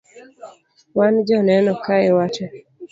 wan joneno kae wate